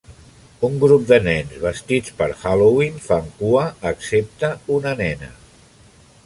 Un grup de nens vestits per Halloween fan cua excepte una nena.